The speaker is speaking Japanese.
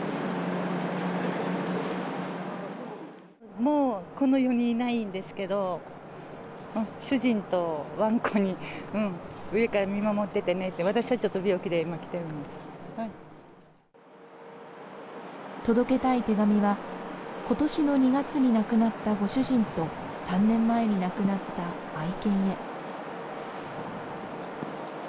もうこの世にいないんですけど、主人とわんこに上から見守っててねって、私はちょっと病気で今、届けたい手紙は、ことしの２月に亡くなったご主人と、３年前に亡くなった愛犬へ。